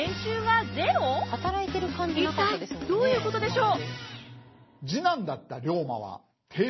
一体どういうことでしょう？